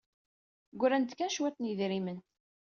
Ggran-d kan cwiṭ n yidrimen.